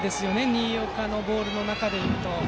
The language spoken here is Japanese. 新岡のボールの中でいうと。